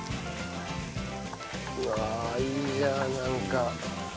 うわあいいじゃんなんか。